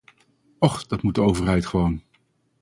Och, dat moet de overheid "gewoon".